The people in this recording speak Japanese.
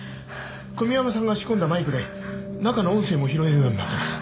小宮山さんが仕込んだマイクで中の音声も拾えるようになってます。